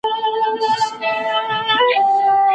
د طلا او جواهر حساب به کیږي